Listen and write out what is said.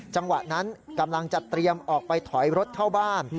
จังหวะนั้นกำลังจะเตรียมออกไปถอยรถเข้าบ้าน